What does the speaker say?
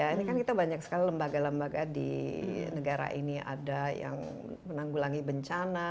ini kan kita banyak sekali lembaga lembaga di negara ini ada yang menanggulangi bencana